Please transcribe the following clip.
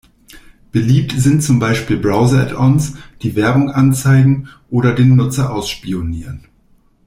Beliebt sind zum Beispiel Browser-Addons, die Werbung anzeigen oder den Nutzer ausspionieren.